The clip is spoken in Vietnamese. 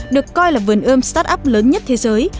được coi là vườn ươm start up lớn nhất thế giới